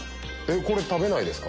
これ食べないですか？